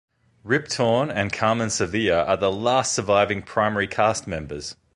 Rip Torn and Carmen Sevilla are the last surviving primary cast members.